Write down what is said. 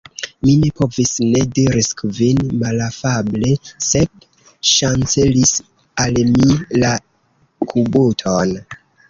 "Mi ne povis ne," diris Kvin malafable. "Sep ŝancelis al mi la kubuton."